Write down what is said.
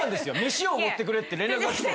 飯おごってくれって連絡が来て。